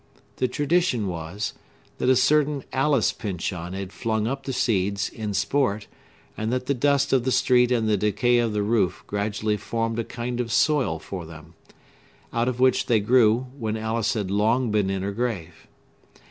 The tradition was, that a certain Alice Pyncheon had flung up the seeds, in sport, and that the dust of the street and the decay of the roof gradually formed a kind of soil for them, out of which they grew, when Alice had long been in her grave.